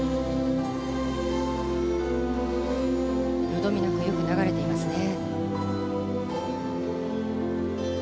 よどみなくよく流れていますね。